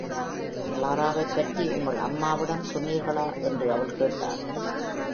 "கிளாராவைப் பற்றி உங்கள் அம்மவிடம் சொன்னீர்களா?" என்று அவள் கேட்டாள்.